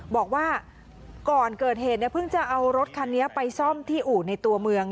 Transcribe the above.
บอกว่าก่อนเกิดเหตุเพิ่งจะเอารถคันนี้ไปซ่อมที่อู่ในตัวเมือง